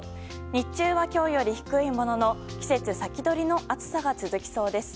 日中は今日より低いものの季節先取りの暑さが続きそうです。